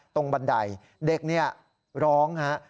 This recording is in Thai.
ตรงบันไดเด็กนี่ร้องฮะ